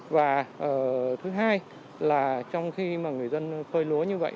và thứ hai là trong khi mà người dân phơi lúa như vậy